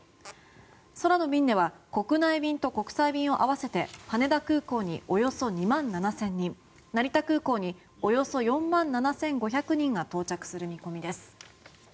空の便では国内便と国際便を合わせて羽田空港におよそ２万７０００人成田空港におよそ４万７５００人が到着する見込みです。